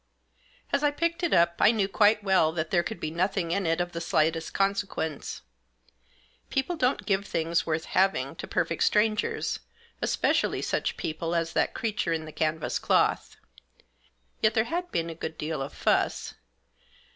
As I picked it up I knew quite well that there could be nothing in it of the slightest consequence. People don't give things worth having to perfect strangers, especially such people as that creature in the canvas cloth. Yet there had been a good deal of fuss.